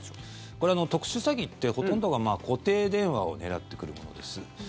これ、特殊詐欺ってほとんどが固定電話を狙ってくるものです。